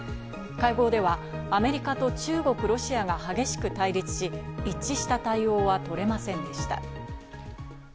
会合ではアメリカと中国・ロシアが激しく対立し、一致した対応は取れませんでした。